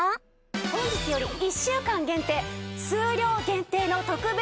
本日より１週間限定数量限定の特別価格。